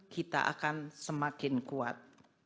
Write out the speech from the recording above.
kita akan semakin kuat